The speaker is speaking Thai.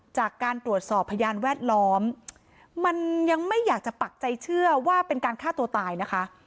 จากการตรวจสอบพยานแวดล้อมมันยังไม่อยากจะปักใจเชื่อว่าเป็นการฆ่าตัวตายนะคะ